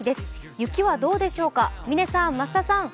雪はどうでしょうか。